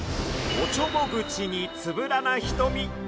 おちょぼ口につぶらな瞳。